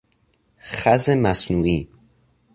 خز مصنوعی